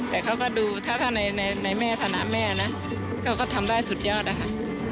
แต่เค้าก็ดูถ้าในแม่ธนาแม่นะก็ทำได้สุดยอดอ่ะค่ะ